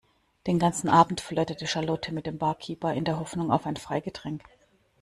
Den ganzen Abend flirtete Charlotte mit dem Barkeeper in der Hoffnung auf ein Freigetränk.